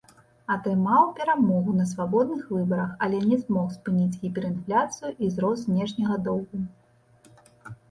Атрымаў перамогу на свабодных выбарах, але не змог спыніць гіперінфляцыю і рост знешняга доўгу.